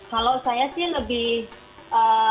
kalau saya sih lebih